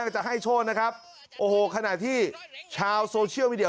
ก็จะให้โชชน์นะครับโอ้โหขนาดที่ชาวโซเชียลวิเดีย